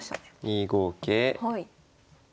２五桂。